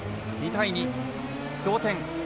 ２対２、同点。